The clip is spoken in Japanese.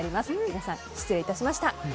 皆さん、失礼いたしました。